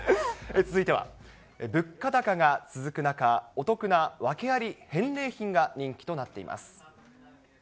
続いては、物価高が続く中、お得な訳あり返礼品が人気となってます。